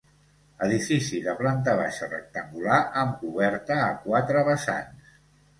Edifici de planta baixa rectangular amb coberta a quatre vessants.